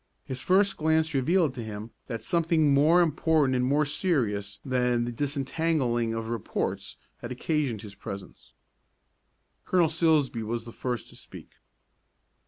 His first glance revealed to him that something more important and more serious than the disentangling of reports had occasioned his presence. Colonel Silsbee was the first to speak.